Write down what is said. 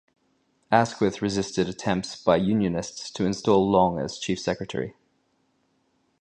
Asquith resisted attempts by Unionists to install Long as Chief Secretary.